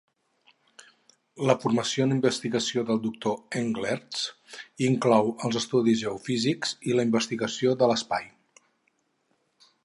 La formació en investigació del doctor Englerts inclou els estudis geofísics i la investigació de l'espai.